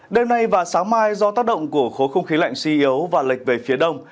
đêm nay và sáng mai do tác động của khối không khí lạnh suy yếu và lệch về phía đông